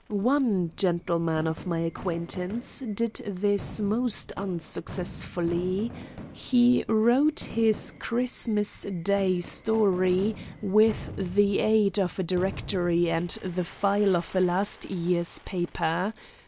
One gentleman of my acquaintance did this most unsuccessfully. He wrote his Christmas day story with the aid of a directory and the file of a last year's paper.